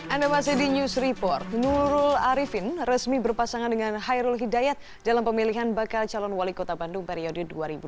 anda masih di news report nurul arifin resmi berpasangan dengan hairul hidayat dalam pemilihan bakal calon wali kota bandung periode dua ribu dua puluh